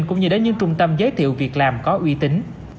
cũng như đến những trung tâm giới thiệu việc làm có uy tín